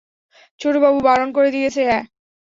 ছোটবাবু বারণ করে দিয়েছে, অ্যাঁ?